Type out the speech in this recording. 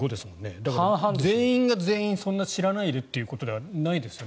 だから全員が全員知らないでということではないですよね。